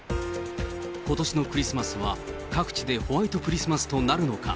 ことしのクリスマスは各地でホワイトクリスマスとなるのか。